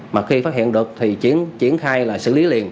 mà khi phát hiện được thì triển khai là xử lý liền